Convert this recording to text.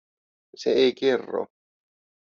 Se ei kerro.